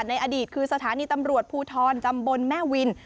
ในอดีตคือสถานีตำรวจภูทรตำบลแม่วิน